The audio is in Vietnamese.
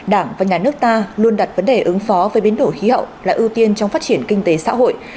đảng và nhà nước ta luôn đặt vấn đề ứng phó với biến đổi khí hậu là ưu tiên trong phát triển kinh tế xã hội